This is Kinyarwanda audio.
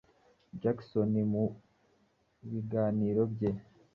Jackson mu biganiro bye